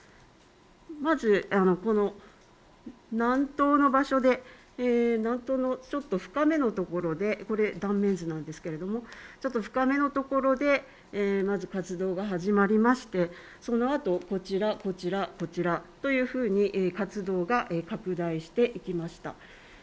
まず、南東の場所で南東のちょっと深めのところでこちらは断面図なんですが深めのところでまず活動が始まりましてそのあとこちら、こちら、こちらというふうに活動が拡大していきました。